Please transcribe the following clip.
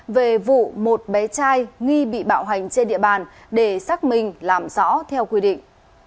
về vụ một bé trai nghi bị bạo hành trên địa bàn để xác minh làm rõ theo quy định